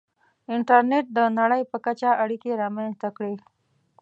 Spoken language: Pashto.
• انټرنېټ د نړۍ په کچه اړیکې رامنځته کړې.